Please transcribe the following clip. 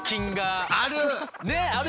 ある！